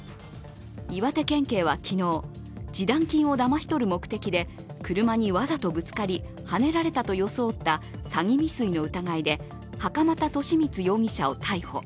岩手県警は昨日、示談金をだまし取る目的で車にわざとぶつかりはねられたと装った詐欺未遂の疑いで袴田稔光容疑者を逮捕。